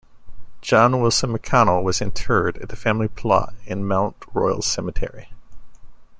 John Wilson McConnell was interred in the family plot at Mount Royal Cemetery.